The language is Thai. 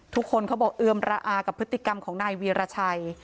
เขาบอกเอือมระอากับพฤติกรรมของนายวีรชัย